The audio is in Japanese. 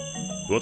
私